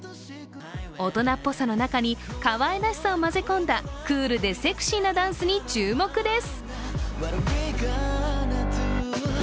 大人っぽさの中にかわいらしさを混ぜ込んだクールでセクシーなダンスに注目です。